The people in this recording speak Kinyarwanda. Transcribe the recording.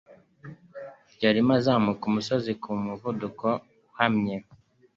Yarimo azamuka umusozi ku muvuduko uhamye.